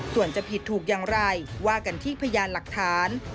ส่วนจะผิดถูกอย่างไรว่ากันที่พยานหลักฐาน